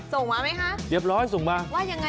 ส่งมาไหมคะว่ายังไงครับส่งอะไรคะเรียบร้อยส่งมา